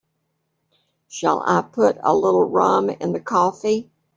Shall I put a little rum in the coffee?